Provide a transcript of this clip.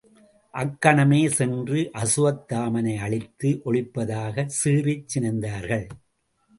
அக்கணமே சென்று அசுவத் தாமனை அழித்து ஒழிப்பதாகச் சீறிச் சினந்தார்கள்.